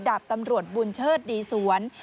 ดาบตำรวจบุญเชิดดีสวน